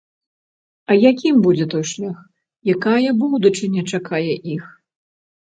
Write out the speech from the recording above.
А якім будзе той шлях, якая будучыня чакае іх?